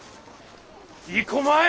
行こまい！